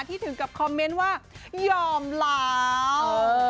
ถึงกับคอมเมนต์ว่ายอมลาว